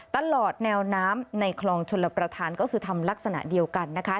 ตลอดแนวน้ำในคลองชลประธานก็คือทำลักษณะเดียวกันนะคะ